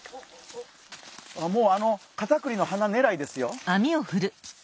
もうあのカタクリの花ねらいですよ。